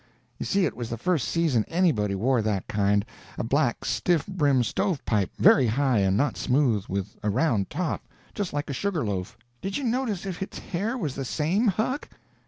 You see it was the first season anybody wore that kind—a black stiff brim stove pipe, very high, and not smooth, with a round top—just like a sugar loaf. "Did you notice if its hair was the same, Huck?"